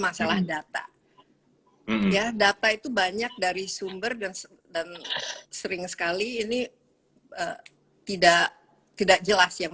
masalah data ya data itu banyak dari sumber dan sering sekali ini tidak tidak jelas yang